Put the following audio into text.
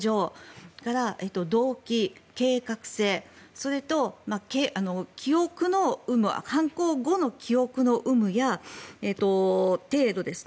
それから動機、計画性犯行後の記憶の有無や程度です。